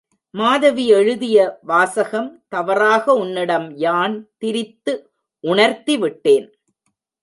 மாதவி எழுதிய வாசகம் தவறாக உன்னிடம் யான் திரித்து உணர்த்திவிட்டேன்.